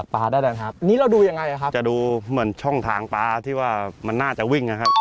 เพราะว่ามันน่าจะวิ่งนะครับ